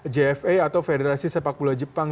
jfa atau federasi sepak bola jepang